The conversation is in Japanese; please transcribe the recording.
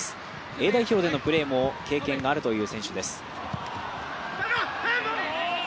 Ａ代表でのプレーも経験がある選手です。